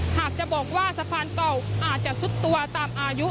หากจะบอกว่าสะพานเก่าอาจจะซุดตัวตามอายุ